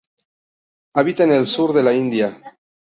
Habita en el Sur de la India.